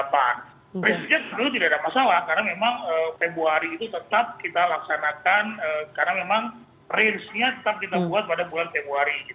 prinsipnya sebenarnya tidak ada masalah karena memang februari itu tetap kita laksanakan karena memang range nya tetap kita buat pada bulan februari